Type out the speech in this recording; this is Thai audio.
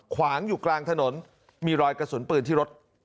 ขวางอยู่กลางถนนมีรอยกระสุนปืนที่รถ